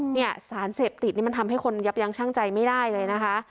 เนี่ยสารเสพติดนี่มันทำให้คนยับยั้งช่างใจไม่ได้เลยนะคะ